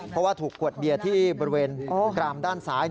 เพราะว่าถูกขวดเบียร์ที่บริเวณกรามด้านซ้าย